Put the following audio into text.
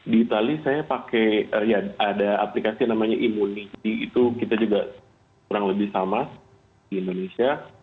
di itali saya pakai ya ada aplikasi namanya imunity itu kita juga kurang lebih sama di indonesia